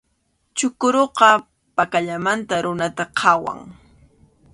Chukuruqa pakallamanta runata qhawan.